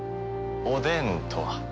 おでんとは？